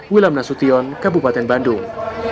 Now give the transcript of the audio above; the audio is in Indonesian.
wilam nasution kabupaten bandung